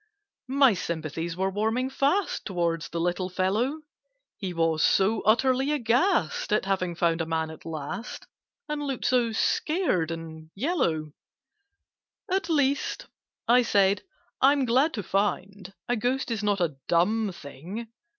My sympathies were warming fast Towards the little fellow: He was so utterly aghast At having found a Man at last, And looked so scared and yellow. [Picture: In caverns by the water side] "At least," I said, "I'm glad to find A Ghost is not a dumb thing!